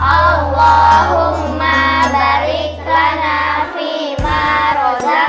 allahumma barik lana fi maroza